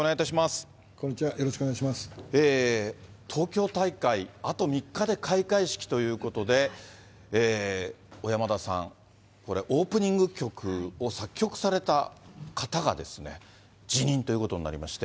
こんにちは、よろしくお願い東京大会、あと３日で開会式ということで、小山田さん、これ、オープニング曲を作曲された方がですね、辞任ということになりまして。